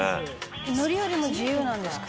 「乗り降りも自由なんですか？」